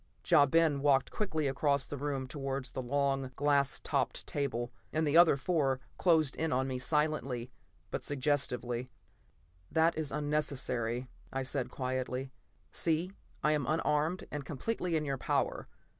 Ja Ben walked quickly across the room towards a long, glass topped table; the other four closed in on me silently but suggestively. "That is unnecessary," I said quietly. "See, I am unarmed and completely in your power.